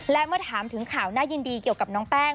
และเมื่อถามถึงข่าวน่ายินดีเกี่ยวกับน้องแป้ง